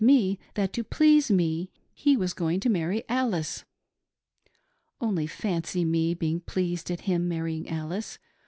"375 tne that to please me he was going to marry AlLfe. Only fancy me being pleased at him marrying . Alice !